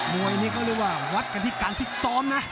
มวยนี่ก็เลยว่าวัดกันที่การที่ซ้อมนะ